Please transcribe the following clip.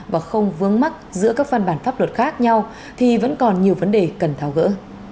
và không vướng mắt giữa các văn bản pháp luật khác nhau thì vẫn còn nhiều vấn đề cần tháo gỡ